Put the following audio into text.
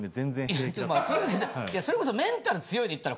いやそれこそメンタル強いでいったら。